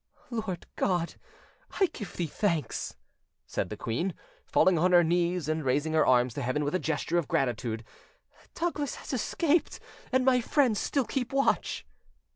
"Lord God, I give Thee thanks," said the queen, falling on her knees and raising her arms to heaven with a gesture of gratitude: "Douglas has escaped, and my friends still keep watch."